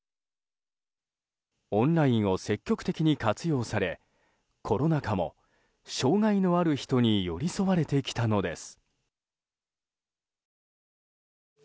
オンラインを積極的に活用されコロナ禍も、障害のある人に寄り添われてきたのです。